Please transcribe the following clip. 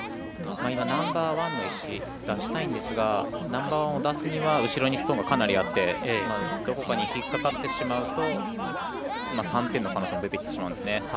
今、ナンバーワンの石出したいんですがナンバーワンを出すには後ろにストーンがかなりあってどこかに引っ掛かってしまうと３点の可能性も出てきてしまうんですね。